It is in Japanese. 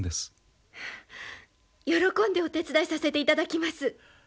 喜んでお手伝いさせていただきます！